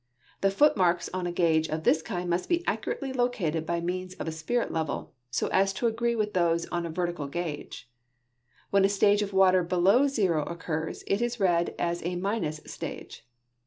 The foot marks on a gauge of this kind must be accurately located by means of a spirit level, so as to agree with those on a vertical gauge. When a stage of water below the zero occurs, it is read as a minus stage.